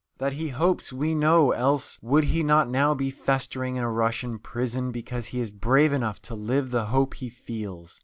That he hopes, we know, else would he not now be festering in a Russian prison because he is brave enough to live the hope he feels.